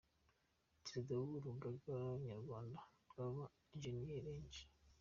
Perezida w’Urugaga Nyarwanda rw’aba Enjeniyeri, Eng.